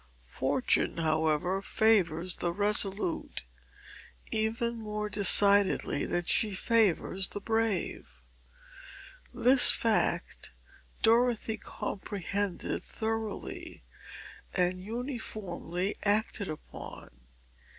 Fortune, however, favors the resolute even more decidedly than she favors the brave. This fact Dorothy comprehended thoroughly, and uniformly acted upon.